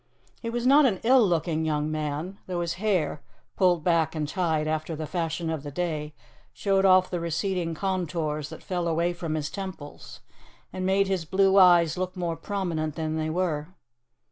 He was not an ill looking young man, though his hair, pulled back and tied after the fashion of the day, showed off the receding contours that fell away from his temples, and made his blue eyes look more prominent than they were.